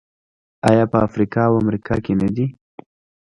آیا په افریقا او امریکا کې نه دي؟